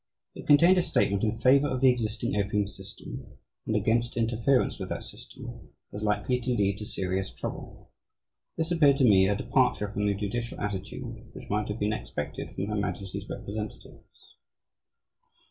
It contained a statement in favour of the existing opium system, and against interference with that system as likely to lead to serious trouble. This appeared to me a departure from the judicial attitude which might have been expected from Her Majesty's representatives."